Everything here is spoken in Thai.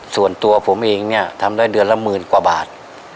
ส่วนตัวผมเองเนี่ยทำได้เดือนละหมื่นกว่าบาท